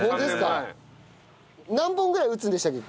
何本ぐらい打つんでしたっけ？